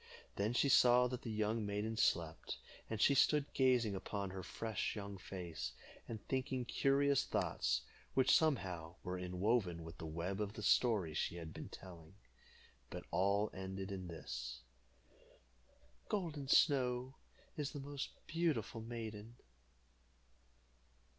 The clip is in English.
Then she saw that the young maiden slept, and she stood gazing upon her fresh young face, and thinking curious thoughts, which somehow were enwoven with the web of the story she had been telling, but all ended in this: "Golden Snow is the most beautiful maiden."